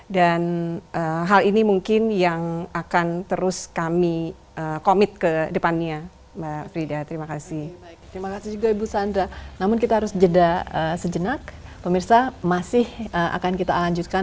dan hal ini mungkin yang akan terus kami komit ke depannya